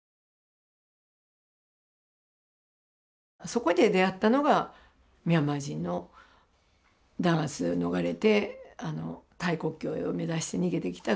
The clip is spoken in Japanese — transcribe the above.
そこで出会ったのがミャンマー人の弾圧を逃れてタイ国境を目指して逃げて来た